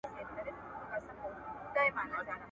په منځ کي مېلمنه سوه د زمان د توپانونو ,